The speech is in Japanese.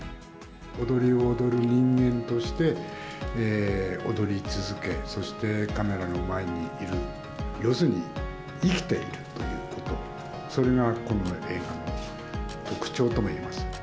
踊りを踊る人間として、踊り続け、そしてカメラの前にいる、要するに生きているということ、それがこの映画の特徴ともいえます。